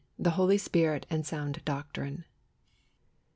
THE HOLY SPIRIT AND SOUND DOCTRINE.